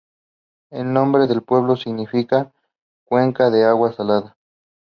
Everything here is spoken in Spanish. El nombre del pueblo significa "cuenca de agua salada".